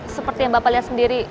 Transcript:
seperti yang bapak lihat sendiri